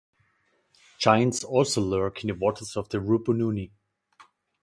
Giants also lurk in the waters of the Rupununi.